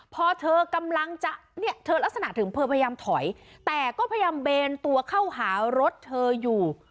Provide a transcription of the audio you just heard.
พอเธอกำลังจะเนี่ยเธอลักษณะถึงเธอพยายามถอยแต่ก็พยายามเบนตัวเข้าหารถเธออยู่